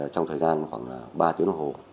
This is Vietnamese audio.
trong thời gian khoảng ba tiếng đồng hồ